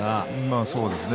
そうですね。